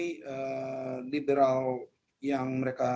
dan setelah itu setelah berubah menjadi sebuah kebijakan luar negeri inggris